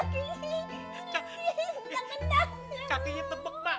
kakinya tepek pak